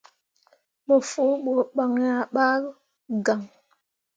Mo fu ɓu ban ah ɓa gaŋ.